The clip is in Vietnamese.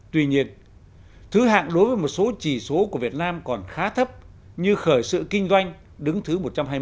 tuy nhiên thứ hạng đối với một số chỉ số của việt nam còn khá thấp như khởi sự kinh doanh đứng thứ một trăm hai mươi